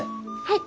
はい。